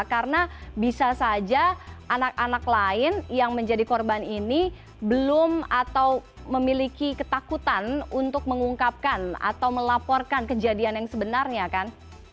karena bisa saja anak anak lain yang menjadi korban ini belum atau memiliki ketakutan untuk mengungkapkan atau melaporkan kejadian yang sebenarnya kan